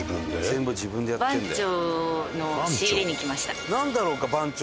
全部自分でやってるんだよ。